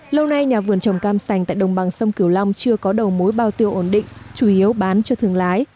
lâu nay nhà vườn trồng cam sành tại đồng bằng sông cửu long chưa có đầu mối bao tiêu ổn định chủ yếu bán cho thương lái